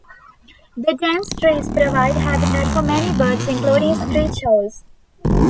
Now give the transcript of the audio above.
The dense trees provide habitat for many birds, including screech owls.